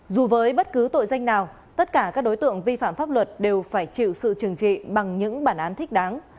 dù với bất cứ tội danh nào tất cả các đối tượng vi phạm pháp luật đều phải chịu sự trừng trị bằng những bản án thích đáng